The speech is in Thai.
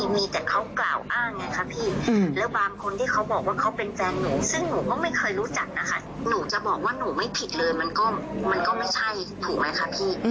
มันก็ไม่ใช่ถูกมั้ยคะพี่